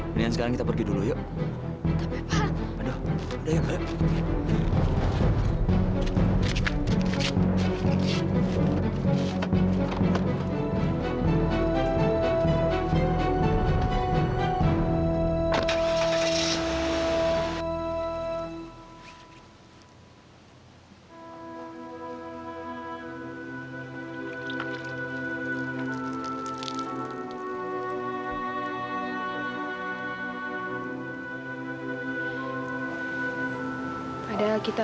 keinginan ibu kamu dalam waktu yang dekat